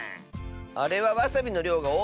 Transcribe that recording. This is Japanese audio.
あれはわさびのりょうがおおすぎたの。